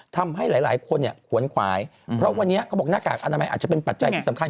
ทำให้หลายคนเนี่ยขวนขวายเพราะวันนี้เขาบอกหน้ากากอนามัยอาจจะเป็นปัจจัยที่สำคัญ